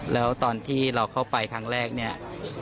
แล้วตอนที่เราเข้าไปครั้งแรกเนี่ย